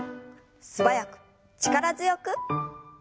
素早く力強く。